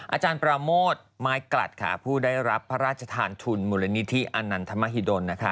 อาจารย์ปราโมทไม้กลัดค่ะผู้ได้รับพระราชทานทุนมูลนิธิอนันทมหิดลนะคะ